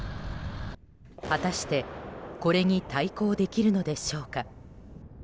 果たしてこれに対抗できるのでしょうか。